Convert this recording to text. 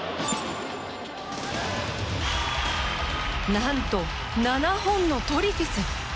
何と７本のトリフィス。